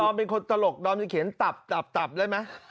ดอมเป็นคนตลกดอมเป็นคนเขียนตับได้ไหม